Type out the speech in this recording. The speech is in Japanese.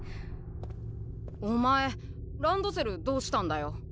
お前ランドセルどうしたんだよ。